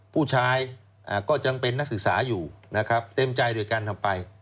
ผู้ชายก็จังเป็นนักศึกษาอยู่เต็มใจด้วยกันทำไป